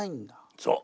そう。